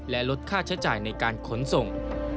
และลดค่าใช้จ่ายในการขนส่ง